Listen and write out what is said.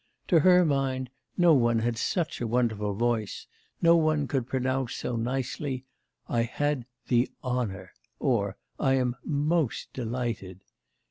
To her mind, no one had such a wonderful voice, no one could pronounce so nicely, 'I had the hon our,' or, 'I am most de lighted.